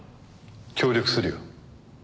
協力するよ。